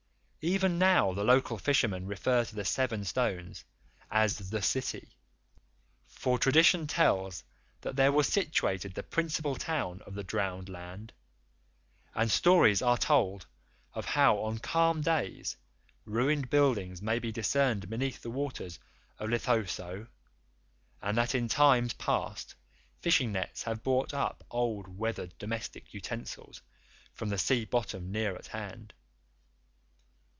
Even now the local fishermen refer to the Seven Stones as "The City," for tradition tells that there was situated the principal town of the drowned land, and stories are told of how on calm days ruined buildings may be discerned beneath the waters near Lethowsow, and that in times past fishing nets have brought up old weathered domestic utensils from the sea bottom near at hand.